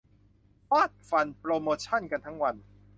ฟาดฟันโปรโมชั่นกันทั้งวัน